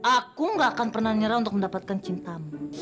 aku gak akan pernah nyerah untuk mendapatkan cintamu